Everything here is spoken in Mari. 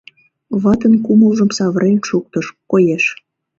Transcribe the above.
Ватын кумылжым савырен шуктыш, коеш.